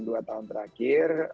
atau tahun terakhir